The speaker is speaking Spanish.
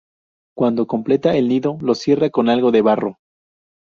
Cuando completa el nido lo cierra con algo de barro.